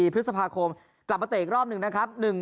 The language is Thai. ๑๔พศกลับมาเตะอีกรอบหนึ่ง